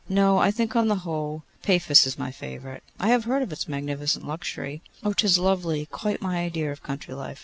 No, I think, on the whole, Paphos is my favourite.' 'I have heard of its magnificent luxury.' 'Oh! 'tis lovely! Quite my idea of country life.